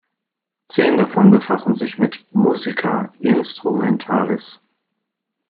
Zehn davon befassen sich mit "musica instrumentalis".